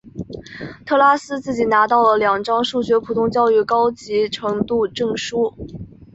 特拉斯自己拿到了两张数学普通教育高级程度证书。